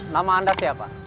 nama anda siapa